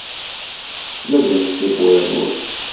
Medlet tiwwura-nwen.